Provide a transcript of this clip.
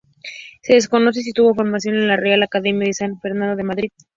Se desconoce si tuvo formación en la Real Academia de San Fernando de Madrid.